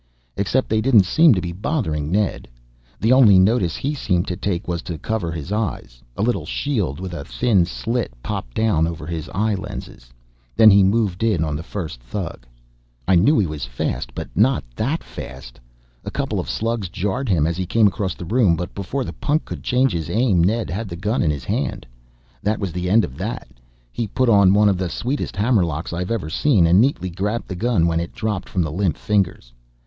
Except they didn't seem to be bothering Ned. The only notice he seemed to take was to cover his eyes. A little shield with a thin slit popped down over his eye lenses. Then he moved in on the first thug. I knew he was fast, but not that fast. A couple of slugs jarred him as he came across the room, but before the punk could change his aim Ned had the gun in his hand. That was the end of that. He put on one of the sweetest hammer locks I have ever seen and neatly grabbed the gun when it dropped from the limp fingers.